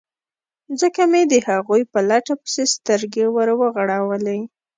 ځکه مې د هغوی په لټه پسې سترګې ور وغړولې.